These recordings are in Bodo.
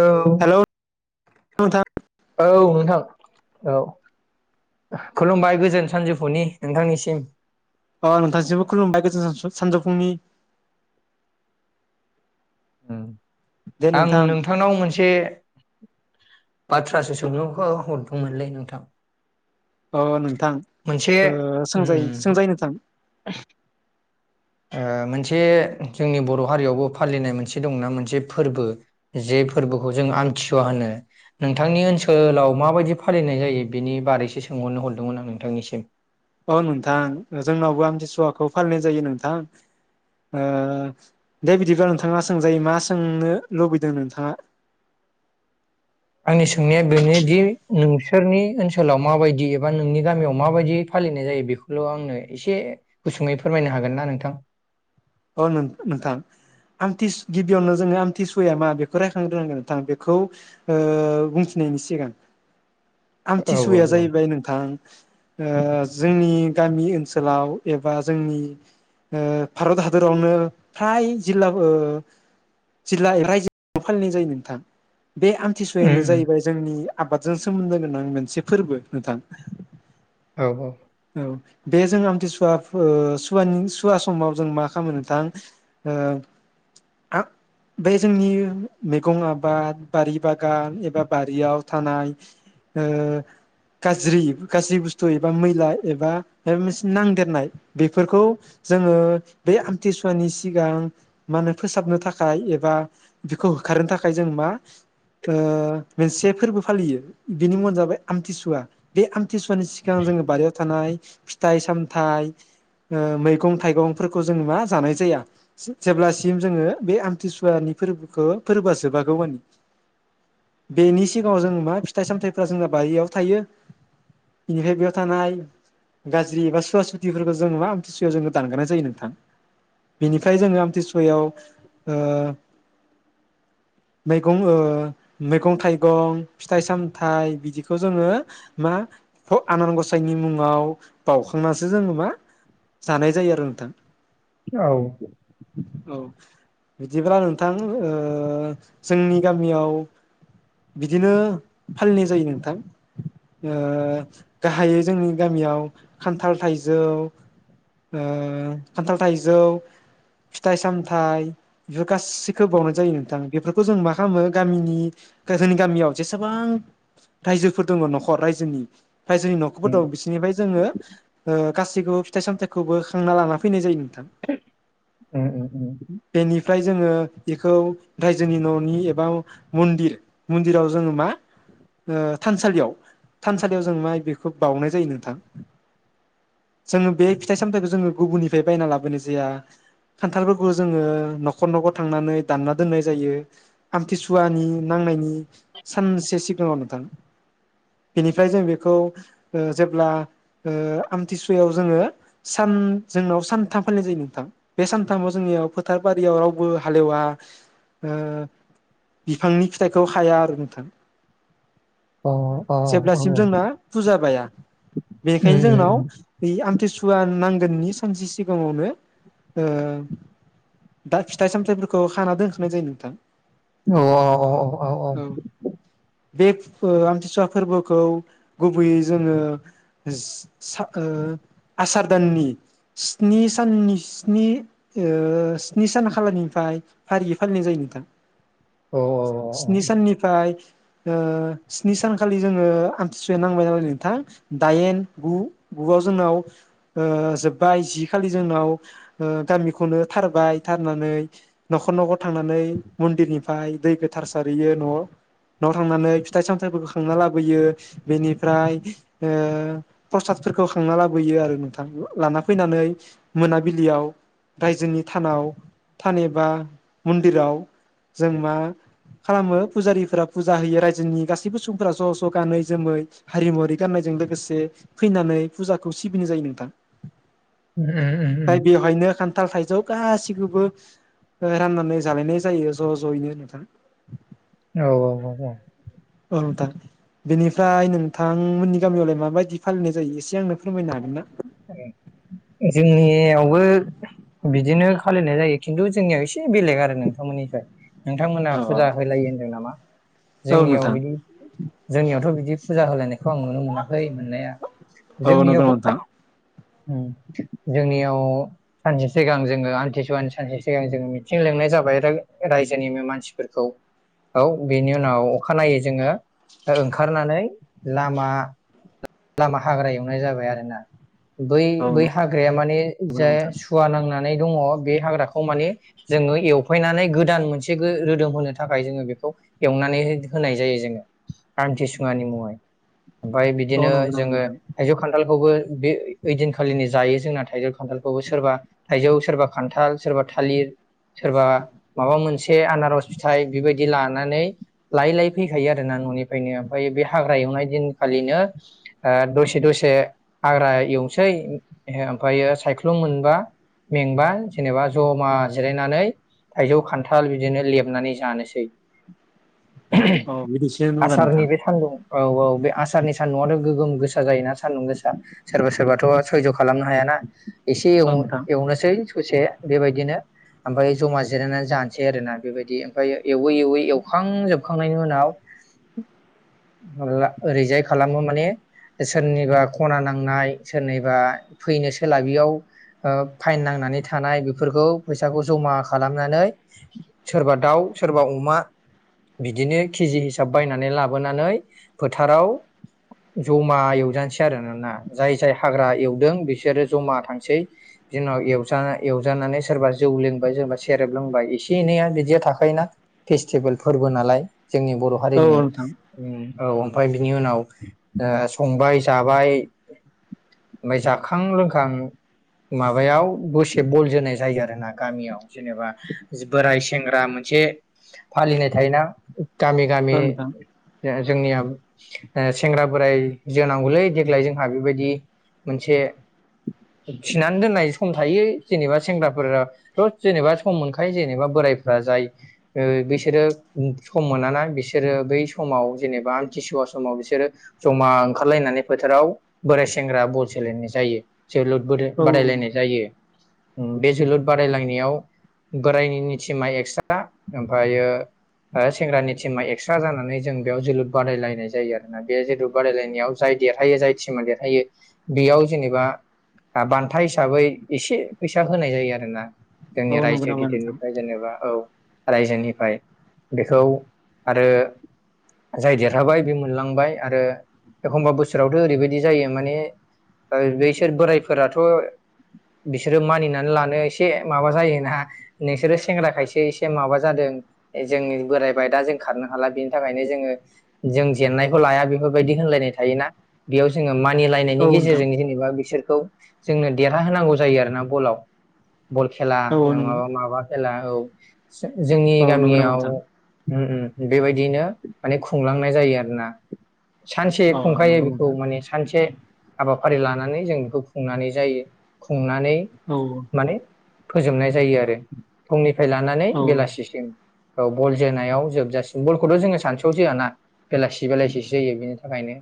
औ हेलौ नोंथां औ नोंथां औ खुलुमबाय गोजोन सानजौफुनि नोंथांनिसिम अ नोंथांनिसिमबो खुलुमबाय गोजोन सानजु सानजौफुंनि ओम दे आं नोंथां नोंथांनाव मोनसे बाथ्रासो सोंनोखौ हरदोंमोनलै नोंथां अ नोंथां मोनसे ओ उम सोंजायो सोंजायो नोंथां ओ मोनसे जोंनि बर' हारियावबो फालिनाय मोनसे दंना मोनसे फोरबो जे फोरबोखौ जों आमथिुवा होनो नोंथांनि ओनसोलाव माबायदि फालिनाय जायो बेनि बारैसो सोंहरनो हरदोंमोन आं नोंथांनिसिम औ नोंथां जोंनावबो आमथिसुवाखौ फालिनाय जायो नोंथां ओ दे बिदिबा नोंथांङा सोंजायो मा सोंनो लुबैदों नोंथांङा आंनि सोंनाया बेनोदि नोंसोरनि ओनसोलाव माबायदि एबा नोंनि गामियाव माबायदि फालिनाय जायो बेखौल आंनो एसे गुसुङै फोरमायनो हागोन ना नोंथां? अ नो नोंथां आमथि गिबियावनो जोंङो आमथिसुवाया मा बेखौ रायखांगोरनांगोन नोंथां बेखौ ओ बुंथिनायनि सिगां औ आमथिसुवाया औ जाहैबाय नोंथां ओ जोंनि गामि ओनसोलाव एबा जोंनि ओ भारत हादर रावनो फ्राय जिल्ला ओ जिल्ला रायजो फालिनाय जायो नोंथां। बे आमथिसुवानो उम जाहैबाय जोंनि आबादजों सोमोन्दो गोनां मोनसे फोरबो नोंथां औ औ औ बे जों आमथिसुवा फो सुवा सुवा समाव जों मा खामो नोंथां बे जोंनि मैगं आबाद बारि बागान एबा बारियाव थानाय ओ गाज्रि गाज्रि बुस्थु एबा मैला एबा मोनसे नांदेरनाय बेफोरखौ जोंङो बे आमथिसुवानि सिगां मा होनो फोसाबनो थाखाय एबा बेखौ होखारनो थाखाय जों मा ओ मोनसे फोरबो फालियो बिनि मुंङानो जाबाय आमथिसुवा बे आमथिसुवानि सिगां जोङो बारियाव थानाय फिथाइ सामथ ओ मैगं थाइगं फोरखौ जोङो मा जानाय जाया जेब्लासिम जोङो बे आमथिसुवानि फोरबोखौ फोरबोआ जोबागौ मानि बेनि सिगाङाव जोङो मा फिथाइ सामथाइफ्रा जोंना बारियाव थायो बेनिफ्राय बेयाव थानाय गाज्रि एबा सुवा सुथिफोरखौ जोङो मा आमथिसुवा जोंनो दानगारनाय जायो नों थां बिनिफ्राय जोङो आमथिसुवायाव ओ मैगं ओ मैगं थाइगं फिथाइ सामथाइ बिदिखौ जोङो मा आनान गसाइनि मुङाव बाउखांनानैसो जोङो मा जानाय जायो आरो नोंथां औ औ बिदिब्ला नोंथां ओ जोंनि गामियाव बिदिनो फालिनाय जायो नोंथां ओ गाहायै जोंनि गामियाव खान्थाल थाइजौ ओ खान्थाल थाइजौ फिथाइ सामथाइ बेफोर गासैखौ बावनाय जायो नोंथां बेफोरखौ जों मा खालामो गामिनि जोंनि गामियाव जेसेबां रायजोफोर दङ नखर रायजोनि रायजोनि नखरफोर दङ बिसोरनिफ्राय जोङो गासैखौबो फिथाइ सामथाइखौबो खांना लाना फै फैनाय जायो नोंथां उम बेनिफ्राय जोङो बेखौ रायजोनि ननि एबा मनदिराव जोङो मा थानसालियाव थानसालियाव जों मा बेखौ बाउनाय जायो नोंथां जोङो बे फिथाइ सामथाइखौ गुबुननि बायना लाबोनाय जाया खान्थालफोरखौ जोङो नखर नखर थांनानै दानना दोननाय जायो आमथिसुवानि नांनायनि सानसे सिगाङाव नोंथां बेनिफ्राय जों बेखौ जेब्ला ओ आमथिसुवायाव जोङो सान जोंनाव सानथाम फालिनाय जायो नोंथां बे सानथामाव जोंनियाव फोथार बारियाव रावबो हालेवा ओ बिफांनि फिथाइखौ खाया आरो नोंथां औ औ उम जेब्लासिम जोंना फुजा बाया उम बेनिखायनो जोंनाव उम बे आमथिसुवा नां [unintelligible] [unintelligible] सानसे सिगाङावनो ओ दा फिथाइ सामथायाइफोरखौ खाना दोनखानाय जायो नोंथां औ औ औ बे आमथिसुवा फोरबोखौ गुबैयै जोङो आसार दाननि स्नि साननि स्नि ओ स्नि सान खालारनिफ्राय फारियै फालिनाय जायो नोंथां औ औ स्नि साननिफ्राय ओ स्नि सानखालि जोङो आमथिसुआ नांबाय नालाय नोंथां दाइन गु गुआव जोंनाव ओ जोब बाय जि खालि जोंनाव ओ गामिखौनो थारबाय थारनानै नखर नखर थांनानै मन्दिरनिफ्राय दै गोथार सारहैयो न न थांनानै फिथाइ सामथाइफोरखौ खांना लाबोयो बेनिफ्राय ओ प्रसादफोरखौ खांना लाबोयो आरो नोंथां लाना फै फैनानै मोनाबिलियाव रायजोनि थानाव थान एबा मन्दिराव जों मा खालामो फुजारिफोरा फुजा होयो रायजोनि गासैबो सुबुंफोरा ज ज गानै जोमै हारिमुवारि गाननायजों लोगोसे फैनानै फुजाखौ सिबिनाय जायो नोंथां उम उम उम खानथाल थाइजौ गाैखौबो राननानै जालायनाय जायो ज जयैनो नोंथां औ औ औ औ औ नोंथां। बेनिफ्राय नोंथांमोननि गामियावलाय माबायदि फालिनाय जायो एसे आंनो फोरमायनो हागोन ना? जोंनियाव बो बिदिनो फालिनाय जायो। खिनथु जोंनियाव ए से बेलेग आरो नोंथांमोननिफ्राय। नोंथांमोना औ फुजा होलायो होनदों नामा? औ औ जोंनियाव नोंथां बिदि जोंनियावथ बिदि फुजा होलायनाय खौ आं नुनो मोनाखै मोननाया। जोंनियाव अ नोंथां। उम जोंनियाव सानसे सिगां जोङो आमथिसुवानि सानसे सिगां जोङो मिथिं लिंनाय जाबाय राय-रायजोनिनो मानसिफोरखौ। औ बेनि उनाव अखानायै जोङो ओ ओंखारनानै लामा लामा हाग्रा एवनाय जाबाय आरो ना। बै औ बै हाग्राया माने जे नंगौ नामा नोंथां सुवा नांना नै दङ। बे हाग्राखौ माने जोङो एवफायनानै गोदान मोनसे गो रोदोम होनो थाखाय जोङो बेखौ एवनानै हो-होनाय जायो जोङो आमथिसुवानि मुङै। ओमफाय औ बिदिनो नंगौ नामा जोङो नोंथां थाइजौ खानथाल खौबो बे ओइदिनखालिनो जायो जोंना थाइजौ खानथालखौबो सोरबा थाइजौ सोरबा खानथाल सोरबा थालिर सोरबा माबा मोनसे आनारस फिथाइ बेबायदि लानानै लायै लायै फैखायो आरो ना ननिफ्रायनो ओमफ्राय बे हाग्रा एवनाय दिनखालिनो ओ दसे दसे हाग्रा एवनोसै ओमफ्रायो सायख्लुम मोनबा मेंबा जेनोबा जमा जिरायनानै थाइजौ खानथाल बिदिनो लेबनानै जानोसै। औ बिदिसो होनबा आसारनि नोंथां बे सान्दुं औ औ। बे आसारनि सा सान्दुंआथ गोगोम गोसा जायोना सानदुं गोसा। सोरबा सोरबाथ सयज खालामनो हायाना। एसे औ नोंथां एव-एवनोसै ससे बेबायदिनो ओमफ्राय जमा जिरायनानै जानोसै आरो ना बेबायदि ओमफ्राय एवै एवै एवखांजोबखांनायनि उनाव ओरैजाय खालामो माने सोरनिबा खना नांनाय सोरनिबा फैनो सोलाबैयाव ओ फाइन नांनानै थानाय बेफोरखौ फैसाखौ जमा खालामनानै सोरबा दाउ सोरबा अमा बिदिनो केजि हिसाब बायनानै लाबोनानै फोथाराव जमा एवजानोसै आरोनोना। जाय जाय हाग्रा एवदों बिसोरो जमा थांसै बिनि उनाव एवजा-एवजानानै सोरबा जौ लोंबाय सोरबा सेरेब लोंबाय एसे एनैया बिदिया थाखायोना फेस्टिभेल फोरबो नालाय। जोंनि बर औ औ हारिनि। नोंथां उम औ ओमफ्राय बिनि उनाव ओ संबाय जाबाय ओमफ्राय जाखां लोंखां माबायाव दोसे बल जोनाय जायो आरोना गामियाव जेनोबा बोराय सेंग्रा मोनसे फालिनाय थायोना गामि गामि औ नोंथां जोंनिया ओ सेंग्रा बोराइ जोनांगौलै देग्लाय जोंहा बेबायदि मोनसे थिनानै दोननाय सम थायो जेनेबा सेंग्राफोरा थ जेनेबा सम मोनखायो जेनेेबा बोरायफ्रा जाय ओ बिसोरो सम मोनाना बिसोरो बै समाव जेनेबा आमथिसुवा समाव बिसोरो जमा ओंखारलायनानै फोथाराव बोराय सेंग्रा बल जोलायनाय जायो। जोलुरबोदो औ बादायलायनाय जायो। उम बे जोलुर बादायलायनायाव बोरायनिनि टिमा एक्सट्रा ओमफ्रायो ओ सेंग्रानि टिमा एक्सट्रा जानानै जों बेयाव जोलुर बादायलायनाय जायो आरोना। बे जोलुर बादायलायनायाव जाय देरहायो जाय टिमा देरहायो बेयाव जेनेबा बान्था हिसाबै एसे फैसा होनाय जायो आरोना जोंनि औ औ नंगौ रायजो नामा नोंथां गिदिरनिफ्राय जेनेबा औ। रायजोनिफ्राय बेखौ आरो जाय देरहाबाय बे मोनलांबाय आरो एखमबा बोसोरावथ ओरैबायदि जायो माने बैसोर बोरायफोराथ बिसोरो मानिनानै लानो एसे माबा जायो नोंसोरो सेंग्रा खायसे एसे माबा जादों जों बोरायबाय दा जों खारनो हाला बेनि थाखायनो जोङो जों जेननायखौ लाया बेफोरबायदि होनलायनाय थायोना। बेयाव जोङो औ मानिलायनायनि नोंथां गेजेरजों जेनोबा बिसोर औ जोंनो देरहा होनोनांगौ जायो आरोना बलाव। बल खेला औ नङाबा नंगौ माबा खेला। औ। जों जोंनि औ नंगौ नामा गामियाव नोंथां ओम ओम। बेबायदिनो माने खुंलांनाय जायो आरो। ना। सानसे औ खुंखायो नंगौ बेखौ नोंथां माने सानसे। हाबाफारि लानानै जों बेखौ खुंनानै जायो खुंना नै औ माने फोजोबनाय जायो आरो फुंनि निफ्राय लानानै औ बेलासिसिम। औ बल जोनाव जोबजासिग बलखौथ जोङो सानससुयाव जोआना। बेलासि बेलासिसो जायो बेनि थाखायनो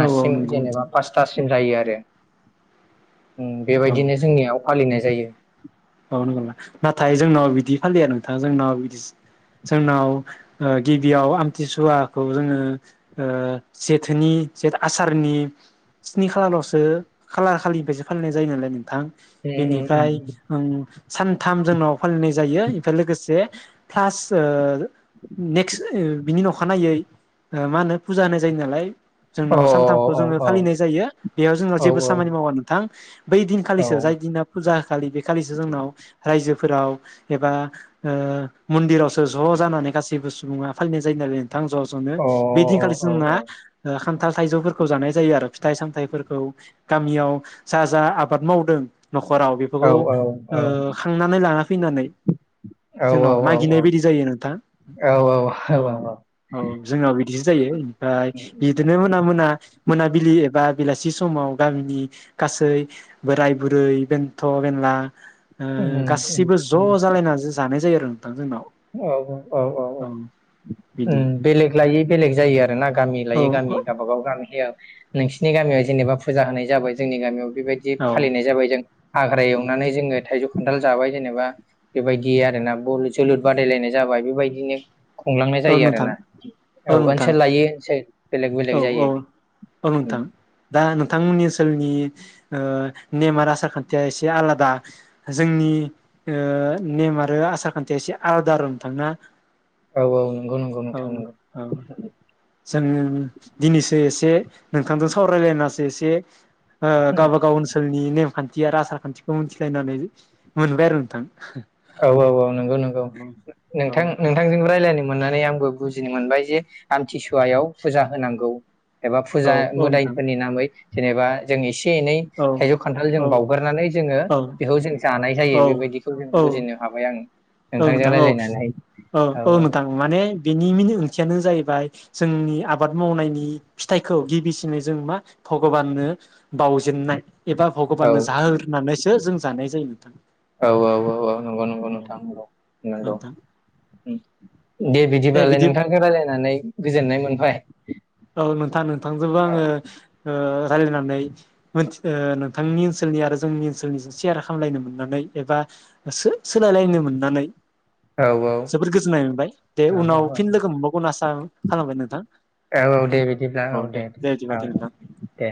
औ औ नंगौ जेनेबा नोंथां पासता सिमजायो आरो। ओम औ बेबायदिनो जोंनियाव फालिनाय जायो। औ नंगौ नामा नाथाय जोंनाव बिदि फालिया नोंथा जोंनाव बिदि जोंनाव ओ गिबियाव आमथिसुवाखौ जोंङो ओ जेथोनि जे आसारनि स्नि खालारावसो खालार खालिनिफ्रायसो फालिनाय जायो नालाय नों थां उम उम बेनिफ्राय उम सानथाम जोंनाव फालिनाय जायो एफाय लोगोसे प्लास ओ नेक्स ओ बिनि अखानायनायै ओ मा होनो फुजा होनाय जायो नालाय अ जोंनाव सानथामखौ जोंङो अ फालिनाय जायो बेयाव जोंनाव औ जेबो सामानि मावा नोंथां बै दिनखालिसो जाय दिना फुजा हो खालि बे खालिसो जोंनाव रायजो फोराव एबा ओ मन्दिरावसो ज जानानै गासैबो सुबुंङा फालिनाय जायो नालाय थां ज' जनो औ बे दिनखालि अ जोंना खान्थाल थाइजौफोरखौ जानाय जायो आरो फिथाइ सामथायाइफोरखौ गामियाव जा जा आबाद मावदों नखराव अ बेफोरखौ औ औ औ ओ औ खांनानै लाना फैनानै जोंनाव मागिनाय बायदि जायो नोंथां औ औ जोंनाव बिदिसो जायो ओमफ्राय बिदिनो मोना मोना मोनाबिलि एबा बेलासि समाव गामिनि गासै बोराय बुरै बेन्थ बेनला ओ उम उम गासिबो ज' उम जालायना जानाय जायो आरो नोंथां जोंनाव औ औ औ औ बिदि ओम बेलेग लायै बेलेग जायो आरो ना गामि औ लायै गामि औ गावब गाव गामियाव नोंसिनि गामियाव जेनेबा फुजा होनाय जाबाय जोंनि गामियाव बेबायदि फालिनाय जाबाय जों हाग्रा एवनानै जोंङो थाइजौ खान्थाल जाबाय जेनेबा बेबायदि आरोना बलनि जोलुर बादायलायनाय जाबाय बेबायदिनो खुंलांनाय औ जायो नोंथां आरोना औ नोंथां ओनसोल लायै ओनसोल बेलेग बेलेग औ जायो औ औ उम नोंथां दा नोंथांमोननि ओनसोलनि ओ नेम आरो आसार खान्थिया एसे आलादा जोंनि ओ नेम आरो आसार खान्थिया एसे आलादा आरो ना नोंथां ना औ औ नंगौ नंगौ नोंथां नंगौ जोंङो दिनैसो एसे नोंथांजों सावरायलायनासो एसे ओ गावबा गाव ओनसोलनि नेम खान्थि आरो आसार खान्थिखौ मिथिलायनानै मोनबाय आरो नोंथां औ औ औ नंगौ नंगौ नोंथां नोंथांजोंबो रायलायनो मोननानै आंबो बुजिनो मोनबाय जे आमथिसुवायाव फुजा होनांगौ। एबा फुजा नोंथां मोदायफोरनि नामै जेनेबा जोंनिसि एसे एनै औ थाइजौ खान्थाल जों औ नोंथां औ बावगारनानै जोङो बेखौ जों जानाय जायो औ बेबायदिखौ जों औ बुजिनो हाबाय आं। [inaudible] औ नोंथां औ रायज्लायनानै औ औ नोंथां माने बेनि मिनिं [unintelligible] जाहैबाय जोंनि आबाद मावनायनि फिथाइखौ गिबिसिनै जों मा भगबाननो बावजेननाय एबा औ भगबाननो जाहोग्रोनानैसो जों जानाय जायो नोंथां औ औ औ औ नंगौ औ। [unintelligible] नंगौ नोंथां उम दे बिदिबालाय नोंथांदो रायलायनानै औ नोंथां नोंथांजोंबो औ आङो ओ रायलायनानै मोन ओ नोंथांनि ओनसोलनि आरो जोंनि ओनसोलनि सेयार खालामलायनो मोननानै एबा सो-सोलायलायनो मोननानै औ औ जोबोद गोजोननाय मोनबाय दे औ उनाव फिन लोगो मोनबावगोन आसा खालामबाय नों औ दे बिदिब्ला औ दे औ दे दे